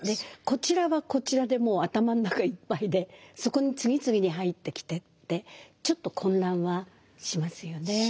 こちらはこちらでもう頭の中いっぱいでそこに次々に入ってきてってちょっと混乱はしますよね。